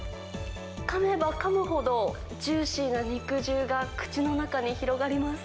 かめばかむほど、ジューシーな肉汁が口の中に広がります。